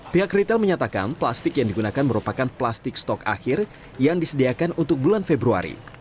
pihak retail menyatakan plastik yang digunakan merupakan plastik stok akhir yang disediakan untuk bulan februari